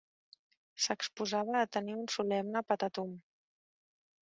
S'exposava a tenir un solemne patatum.